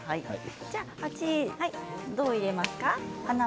鉢にどう入れますか。